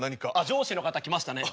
上司の方来ましたね。